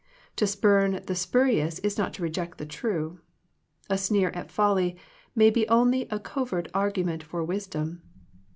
To spurn the spurious is not to reject the true. A sneer at folly may be only a covert argu ment for wisdom.